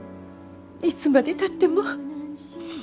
いつまでたっても。